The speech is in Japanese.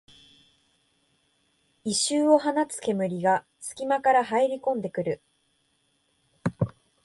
異臭を放つ煙がすき間から入りこんでくる